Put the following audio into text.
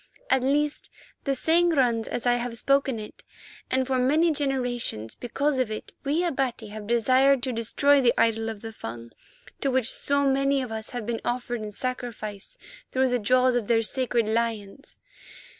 At least, the saying runs as I have spoken it, and for many generations, because of it, we Abati have desired to destroy the idol of the Fung to which so many of us have been offered in sacrifice through the jaws of their sacred lions.